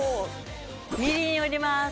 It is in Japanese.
みりんを入れます。